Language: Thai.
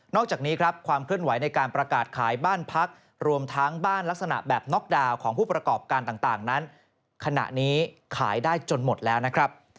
อกจากนี้ครับความเคลื่อนไหวในการประกาศขายบ้านพักรวมทั้งบ้านลักษณะแบบน็อกดาวน์ของผู้ประกอบการต่างนั้นขณะนี้ขายได้จนหมดแล้วนะครับ